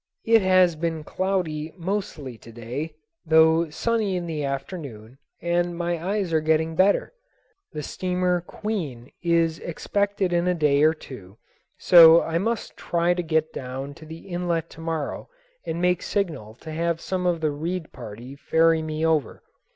It has been cloudy mostly to day, though sunny in the afternoon, and my eyes are getting better. The steamer Queen is expected in a day or two, so I must try to get down to the inlet to morrow and make signal to have some of the Reid party ferry me over.